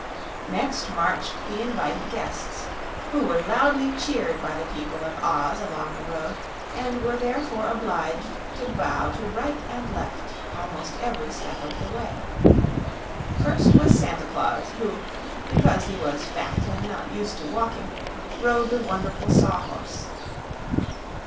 Next marched the invited guests, who were loudly cheered by the people of Oz along the road, and were therefore obliged to bow to right and left almost every step of the way. First was Santa Claus, who, because he was fat and not used to walking, rode the wonderful Saw Horse.